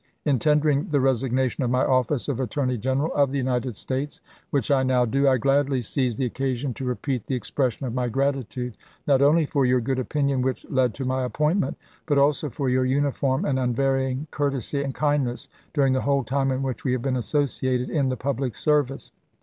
In tendering the resignation of my office of Attorney General of the United States (which I now do) I gladly seize the occasion to repeat the expression of my gratitude, not only for your good opinion which led to my appointment, but also for your uniform and unvarying courtesy and kindness during the whole time in which we have been associated in the public service.